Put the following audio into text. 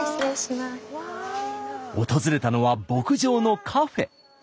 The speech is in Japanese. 訪れたのは牧場のカフェ。